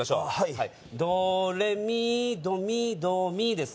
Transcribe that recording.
はいドレミドミドミです